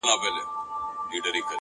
خپل فکرونه د حقیقت له مخې وتلئ،